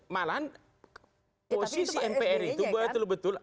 malahan posisi mpr itu betul betul